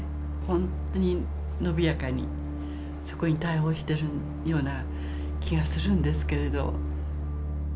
ほんとにのびやかにそこに対応してるような気がするんですけれど。